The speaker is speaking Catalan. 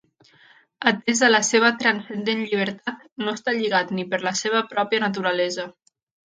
Atesa la seva transcendent llibertat, no està lligat ni per la seva pròpia naturalesa.